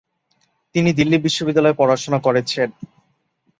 তিনি দিল্লি বিশ্ববিদ্যালয়ে পড়াশোনা করেছেন।